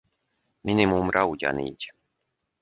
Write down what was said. Minimumra ugyanígy.